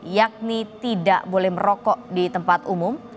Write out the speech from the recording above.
yakni tidak boleh merokok di tempat umum